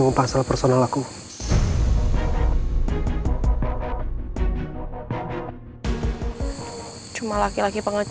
di sini rena duduk di sini